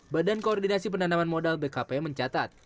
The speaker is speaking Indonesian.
badan koordinasi penanaman modal bkp mencatat